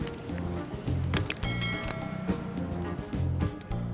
tidak ada yang bisa dihukum